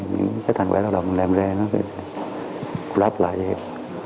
những cái thành quả lao động mình làm ra nó sẽ đáp lại cho em